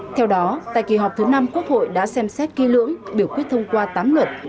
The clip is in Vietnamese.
theo đó tại kỳ họp thứ năm quốc hội đã xem xét ký lưỡng biểu quyết thông qua tám luật